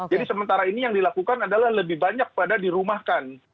jadi sementara ini yang dilakukan adalah lebih banyak pada dirumahkan